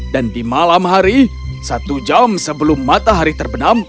dan di malam hari satu jam sebelum matahari terbenam